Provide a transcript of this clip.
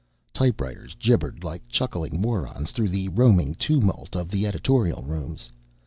Typewriters gibbered like chuckling morons through the roaring tumult of the editorial rooms.